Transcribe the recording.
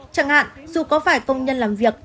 chẳng hạn dù có phải công nhân làm việc